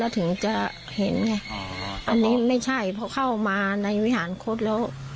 อันนี้ไม่ใช่เพราะเข้ามาในวิหารโคตรแล้ว